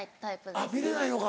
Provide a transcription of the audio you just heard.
あっ見れないのか。